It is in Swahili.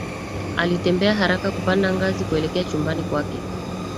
Alitembea haraka kupanda ngazi kuelekea chumbani kwake